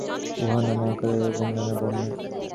উহা নানা আকারের এবং নানা বর্ণের।